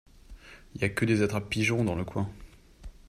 Y a que des attrapes-pigeons dans le coin.